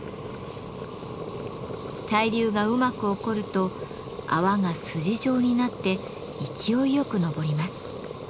対流がうまく起こると泡が筋状になって勢いよく上ります。